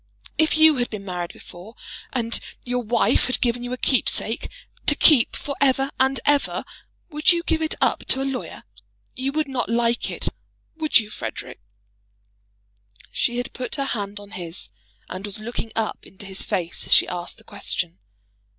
If you had been married before, and your wife had given you a keepsake, to keep for ever and ever, would you give it up to a lawyer? You would not like it; would you, Frederic?" She had put her hand on his, and was looking up into his face as she asked the question.